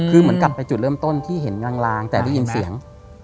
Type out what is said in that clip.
คือเหมือนกลับไปจุดเริ่มต้นที่เห็นลางแต่ได้ยินเสียง